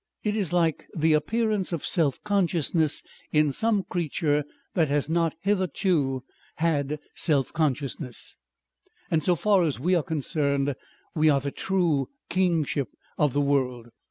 It is like the appearance of self consciousness in some creature that has not hitherto had self consciousness. And so far as we are concerned, we are the true kingship of the world.